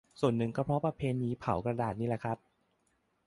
ส่วนหนึ่งก็เพราะประเพณีเผากระดาษนี่แหละครับ